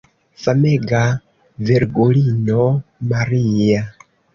Famega Virgulino Maria!